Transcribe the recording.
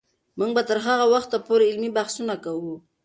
موږ به تر هغه وخته پورې علمي بحثونه کوو.